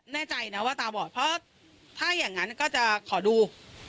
แน่ใจนะว่าตาบอดเพราะถ้าอย่างนั้นก็จะขอดู